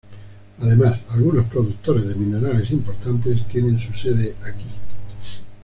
Además, algunos productores de minerales importantes tienen su sede aquí.